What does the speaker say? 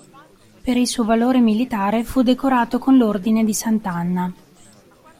Per il suo valore militare fu decorato con l'Ordine di Sant'Anna.